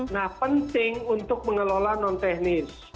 nah penting untuk mengelola non teknis